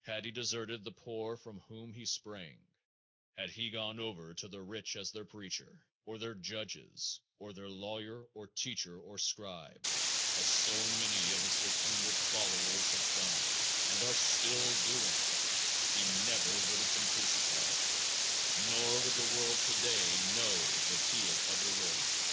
Had he deserted the poor from whom he sprang, had he gone over to the rich as their preacher, or their judge, or their lawyer or teacher or scribe as so many of his pretended followers have done and are still doing he never would have been crucified, nor would the world today know that he had ever lived.